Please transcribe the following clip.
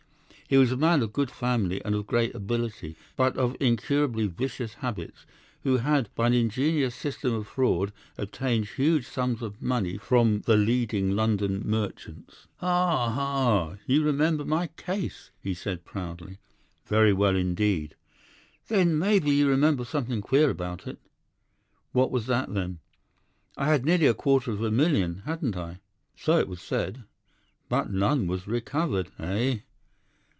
He was a man of good family and of great ability, but of incurably vicious habits, who had by an ingenious system of fraud obtained huge sums of money from the leading London merchants. "'"Ha, ha! You remember my case!" said he proudly. "'"Very well, indeed." "'"Then maybe you remember something queer about it?" "'"What was that, then?" "'"I'd had nearly a quarter of a million, hadn't I?" "'"So it was said." "'"But none was recovered, eh?"